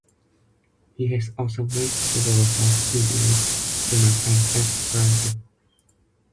He has also made several songs in English, German and Esperanto.